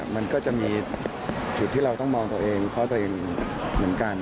มันก็จะมีจุดที่เราต้องมองตัวเองเพราะตัวเองเหมือนกัน